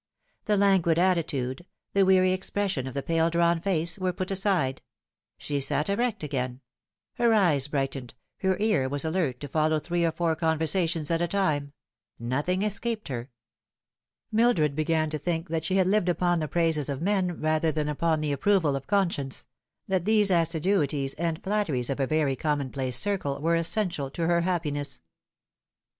The languid attitude, the weary expression of the pale drawn face, were put aside. She sat erect again ; her eyes brightened, her ear was alert to follow three or four conversations at a time ; nothing escaped her. Mildred began to think that she had lived upon the praises of men rather than upon the approval of conscience that these assiduities and flatteries of a very commonplace circle were essential to her happiness.